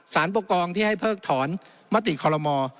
สารปกรองที่ให้เพิกถอนมติคลม